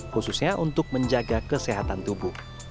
khususnya untuk menjaga kesehatan tubuh